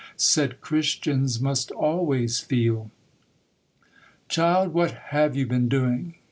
said Christians must always feel. 'Child, what have you been doing?